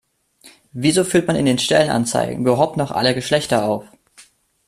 Wieso führt man in den Stellenanzeigen überhaupt noch alle Geschlechter auf?